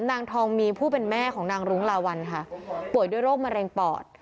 นางทองมีผู้เป็นแม่ของนางรุ้งลาวัลค่ะป่วยด้วยโรคมะเร็งปอด